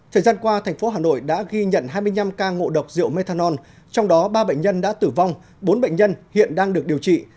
thời gian qua thành phố hà nội đã ghi nhận hai mươi năm ca ngộ độc rượu methanol trong đó ba bệnh nhân đã tử vong bốn bệnh nhân hiện đang được điều trị